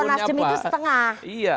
jadi maksudnya kalau nasjid itu setengah